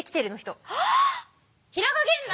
平賀源内！